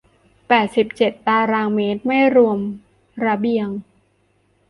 แปดสิบเจ็ดตารางเมตร ไม่รวมระเบียง